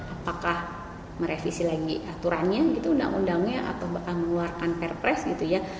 apakah merevisi lagi aturannya gitu undang undangnya atau bahkan mengeluarkan perpres gitu ya